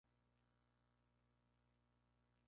Sin embargo no hay ningún templo hindú en la zona.